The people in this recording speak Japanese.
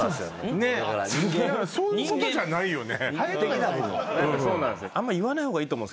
そういうことじゃないよね。